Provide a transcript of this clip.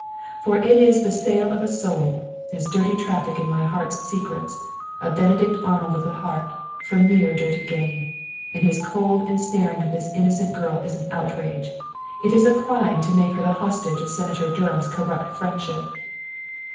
"For it is the sale of a soul, his dirty traffic in my heart's secrets, a Benedict Arnold of the heart, for mere dirty gain. And his cold ensnaring of this innocent girl is an outrage; it is a crime to make her the hostage of Senator Durham's corrupt friendship."